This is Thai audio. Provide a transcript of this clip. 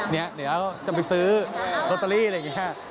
เดี๋ยวจะไปซื้อลอตเตอรี่อะไรอย่างนี้